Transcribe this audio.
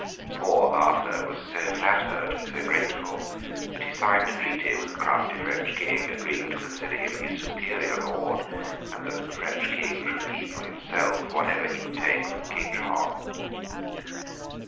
Poor Arthur was so flattered and so grateful that he signed a treaty with the crafty French King, agreeing to consider him his superior Lord, and that the French King should keep for himself whatever he could take from King John.